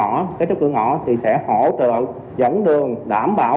ở các cửa ngõ sẽ hỗ trợ dẫn đường đảm bảo